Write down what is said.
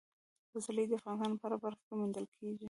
پسرلی د افغانستان په هره برخه کې موندل کېږي.